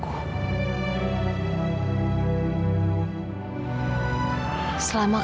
kamu percaya sama kakak